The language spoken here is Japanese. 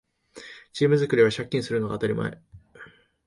チーム作りは借金するのが当たり前